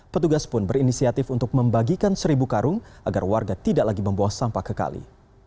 petugas pun berinisiatif untuk membagikan seribu karung agar warga tidak lagi membawa sampah ke kali